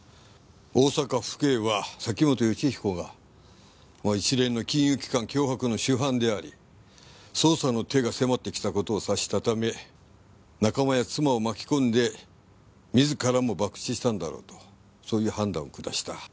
大阪府警は崎本善彦が一連の金融機関脅迫の主犯であり捜査の手が迫ってきた事を察したため仲間や妻を巻き込んで自らも爆死したんだろうとそういう判断を下した。